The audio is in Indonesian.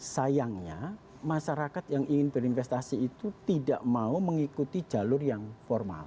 sayangnya masyarakat yang ingin berinvestasi itu tidak mau mengikuti jalur yang formal